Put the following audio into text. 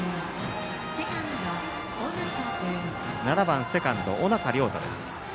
７番セカンド、尾中亮太です。